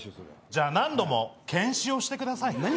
じゃあ何度も検視をしてください。